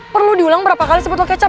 perlu diulang berapa kali sebut kecap